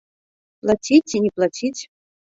Плаціць ці не плаціць?